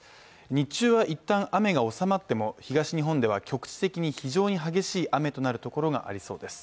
日中は一旦雨が収まっても東日本では非常に激しい雨となる所がありそうです。